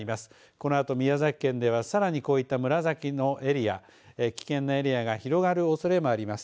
このあと宮崎県ではさらにこういった紫のエリア危険なエリアが広がるおそれもあります。